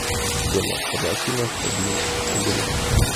Ик ганат пырля киношто лийын огынал.